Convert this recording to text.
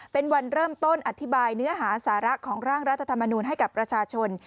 เป็นวันเริ่มต้นอธิบายเนื้อหาสาระของร่างรัฐธรรมนูลให้กับประชาชน